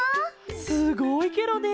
すごいケロね！